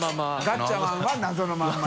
ガッチャマンは謎のまま。